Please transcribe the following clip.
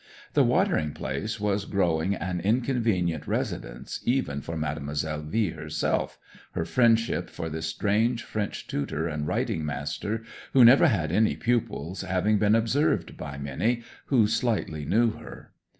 The watering place was growing an inconvenient residence even for Mademoiselle V herself, her friendship for this strange French tutor and writing master who never had any pupils having been observed by many who slightly knew her.